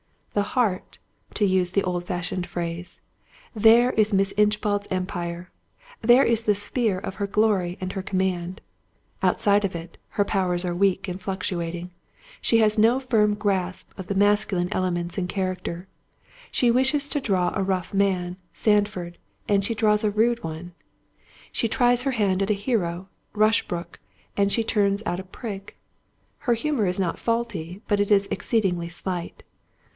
"The heart," to use the old fashioned phrase—there is Mrs. Inchbald's empire, there is the sphere of her glory and her command. Outside of it, her powers are weak and fluctuating. She has no firm grasp of the masculine elements in character: she wishes to draw a rough man, Sandford, and she draws a rude one; she tries her hand at a hero, Rushbrook, and she turns out a prig. Her humour is not faulty, but it is exceedingly slight.